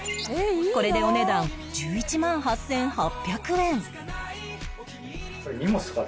これでお値段１１万８８００円